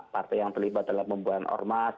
partai yang terlibat dalam membuat ormas